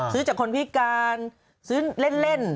ซื้อจากคนพิการซื้อเล่น